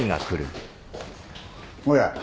おや。